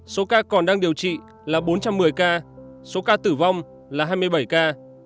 số ca còn đang điều trị là bốn trăm một mươi ca số ca tử vong là hai mươi bảy ca